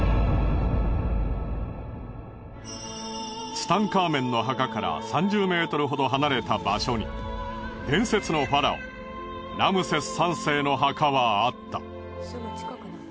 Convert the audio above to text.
ツタンカーメンの墓から３０メートルほど離れた場所に伝説のファラオラムセス３世の墓はあった。